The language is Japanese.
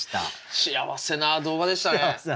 幸せな動画ですね。